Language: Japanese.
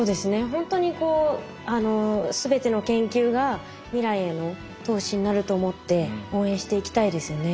ほんとに全ての研究が未来への投資になると思って応援していきたいですよね。